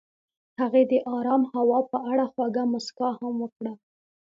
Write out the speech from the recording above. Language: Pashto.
هغې د آرام هوا په اړه خوږه موسکا هم وکړه.